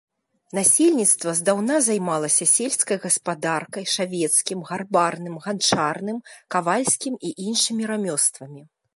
Насельніцтва здаўна займалася сельскай гаспадаркай, шавецкім, гарбарным, ганчарным, кавальскім і іншымі рамёствамі.